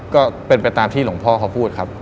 ก็เป็นไปตามที่หลวงพ่อเขาพูดครับ